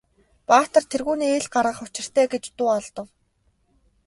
Баатар тэргүүнээ ил гаргах учиртай гэж дуу алдав.